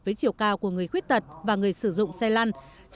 với chiều cao của người khuyết tật và người sử dụng xe lăn